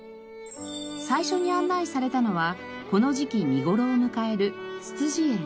最初に案内されたのはこの時期見頃を迎えるつつじ園。